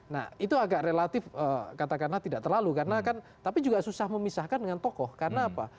nah itu agak relatif katakanlah tidak terlalu karena kan tapi juga susah memisahkan dengan tokoh karena apa